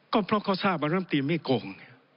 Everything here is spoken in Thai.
ก็เพราะเขาทราบว่าร่ำตีไม่โกง